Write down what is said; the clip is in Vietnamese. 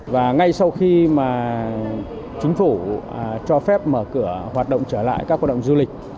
và ngay sau khi mà chính phủ cho phép mở cửa hoạt động trở lại các hoạt động du lịch